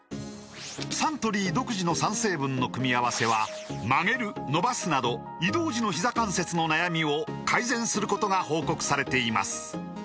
サントリー独自の３成分の組み合わせは曲げる伸ばすなど移動時のひざ関節の悩みを改善することが報告されています